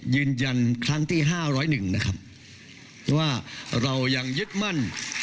ยืนยันครั้งที่๕๐๑นะครับว่าเรายังยึดมั่น